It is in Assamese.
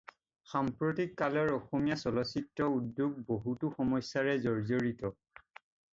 সাম্প্ৰতিক কালৰ অসমীয়া চলচ্চিত্ৰ উদ্যোগ বহুতো সমস্যাৰে জৰ্জৰিত।